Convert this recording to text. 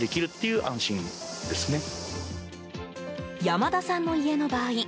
山田さんの家の場合